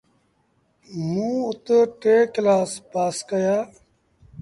موݩ اُت ٽي ڪلآس پآس ڪيآ۔